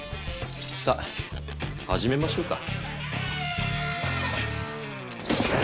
さあ始めましょうか。